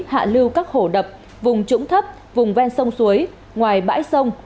hạ lưu các hồ đập vùng trũng thấp vùng ven sông suối ngoài bãi sông